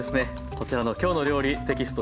こちらの「きょうの料理」テキスト